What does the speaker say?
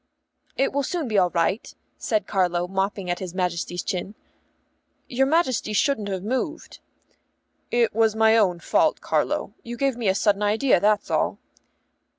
"It will soon be all right," said Carlo, mopping at his Majesty's chin. "Your Majesty shouldn't have moved." "It was my own fault, Carlo; you gave me a sudden idea, that's all."